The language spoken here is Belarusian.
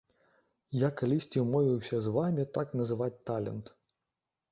Я калісьці ўмовіўся з вамі так называць талент.